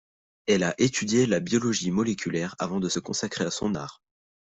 Elle a étudié la biologie moléculaire avant de se consacrer à son art.